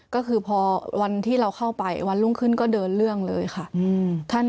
ก็คือพอวันที่เราเข้าไปวันรุ่งขึ้นก็เดินเรื่องเลยค่ะ